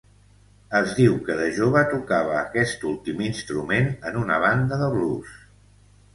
Es diu que de jove tocava aquest últim instrument en una banda de blues.